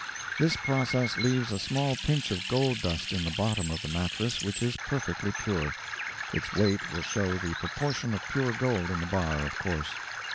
This process leaves a small pinch of gold dust in the bottom of the mattrass which is perfectly pure; its weight will show the proportion of pure gold in the bar, of course.